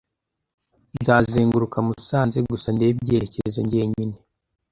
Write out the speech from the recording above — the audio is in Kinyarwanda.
Nzazenguruka Musanze gusa ndebe ibyerekezo njyenyine.